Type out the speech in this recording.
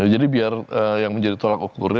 jadi biar yang menjadi tolak ukurnya